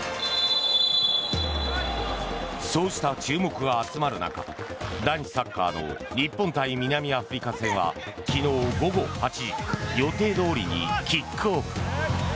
そうした注目が集まる中男子サッカーの日本対南アフリカ戦は昨日午後８時予定どおりにキックオフ。